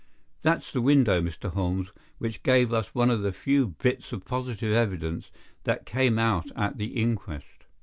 That's the window, Mr. Holmes, which gave us one of the few bits of positive evidence that came out at the inquest.